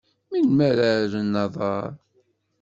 Melmi ara rren aḍar?